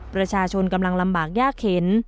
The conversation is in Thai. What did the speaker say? ประชาชนกำลังลำบากยากเข็น